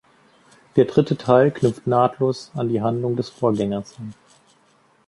Der dritte Teil knüpft nahtlos an die Handlung des Vorgängers an.